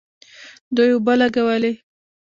دوی اوبه لګولې.